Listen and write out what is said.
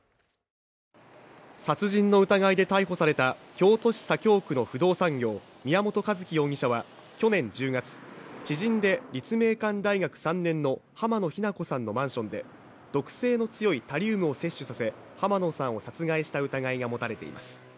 殺人の疑いで逮捕された京都市左京区の不動産業・宮本一希容疑者は去年１０月、知人で立命館大学３年の濱野日菜子さんのマンションで毒性の強いタリウムを摂取させ、濱野さんを殺害した疑いが持たれています。